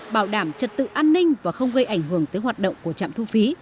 bảo đảm trật tự an ninh và không gây ảnh hưởng tới hoạt động của trạm thu phí